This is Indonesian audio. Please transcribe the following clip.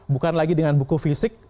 bukan lagi dengan buku fisik